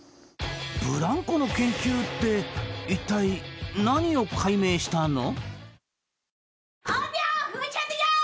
ブランコの研究って一体何を解明したの？